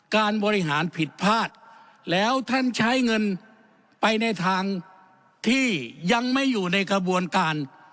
การบริหารผิดพลาดแล้วท่านใช้เงินไปในทางที่ยังไม่อยู่ในกระบวนการ